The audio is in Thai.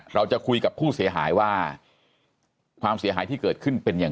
เราจะคุยกับผู้เสียหายว่าความเสียหายที่เกิดขึ้นเป็นอย่าง